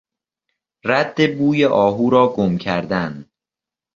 رد بوی آهو را گم کردن